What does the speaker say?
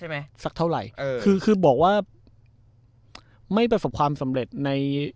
สักเท่าไหร่เออคือคือบอกว่าไม่ประสบความสำเร็จใน